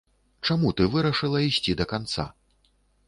Чаму ты вырашыла ісці да канца?